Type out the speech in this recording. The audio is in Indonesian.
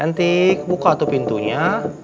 bentik buka ato pintunya